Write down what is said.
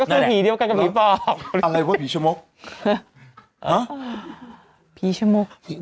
อะไรว่าผีอะไรว่าผีชมกฮะหรือผีชมกปึ้ง